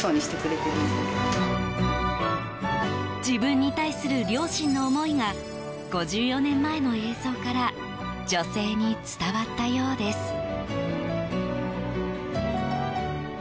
自分に対する両親の思いが５４年前の映像から女性に伝わったようです。